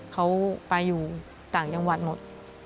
เขาไปอยู่ต่างจังหวัดหมด